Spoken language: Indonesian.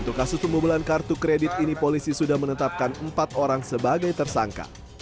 untuk kasus pembobolan kartu kredit ini polisi sudah menetapkan empat orang sebagai tersangka